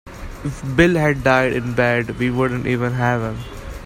If Bill had died in bed we wouldn't even have him.